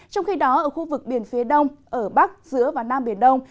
trong khi đó ở khu vực biển phía đông ở bắc giữa và nam biển đông